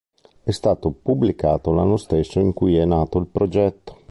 È stato pubblicato l'anno stesso in cui è nato il progetto.